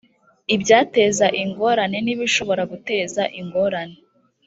ibyateza ingorane n’ibishobora guteza ingorane